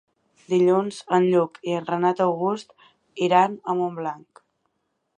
Dilluns en Lluc i en Renat August iran a Montblanc.